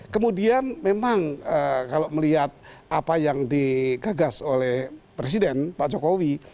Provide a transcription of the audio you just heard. kemudian memang kalau melihat apa yang digagas oleh presiden pak jokowi